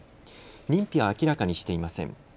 認否は明らかにしていません。